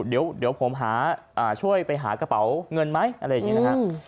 เดี๋ยวผมหาช่วยไปหากระเป๋าเงินไหมอะไรอย่างนี้นะครับ